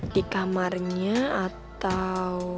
di kamarnya atau